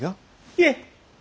いえ！